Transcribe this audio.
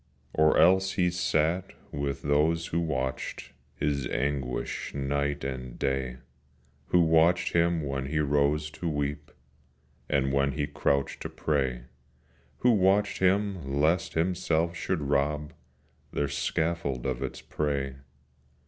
Or else he sat with those who watched His anguish night and day; Who watched him when he rose to weep, And when he crouched to pray; Who watched him lest himself should rob Their scaffold of its prey.